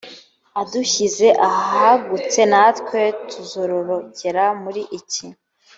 adushyize ahagutse natwe tuzororokera muri iki